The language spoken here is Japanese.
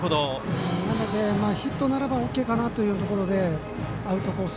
なので、ヒットならばＯＫかなというところでアウトコース